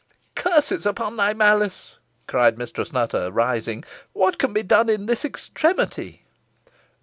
"Curses upon thy malice," cried Mistress Nutter, rising. "What can be done in this extremity?"